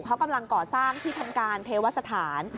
เขากำลังก่อสร้างที่ทำการเทวสถาน